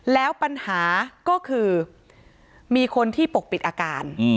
แล้วปัญหาก็คือมีคนที่ปกปิดอาการ